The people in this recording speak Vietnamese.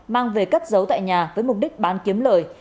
mang về cất giấu tại nhà với mục đích bán kiếm lời